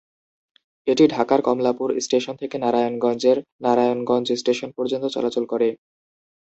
এটি ঢাকার কমলাপুর স্টেশন থেকে নারায়ণগঞ্জের নারায়ণগঞ্জ স্টেশন পর্যন্ত চলাচল করে।